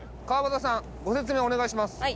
川端さんご説明をお願いします。